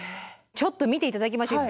ちょっと見て頂きましょう。